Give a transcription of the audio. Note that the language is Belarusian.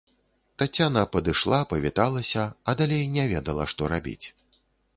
Таццяна падышла, павіталася, а далей не ведала, што рабіць.